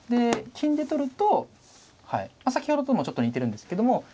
金で取ると先ほどともちょっと似てるんですけども。